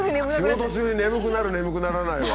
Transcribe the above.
仕事中に眠くなる眠くならないは。